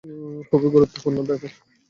খুবই গুরুত্বপূর্ণ ব্যাপার।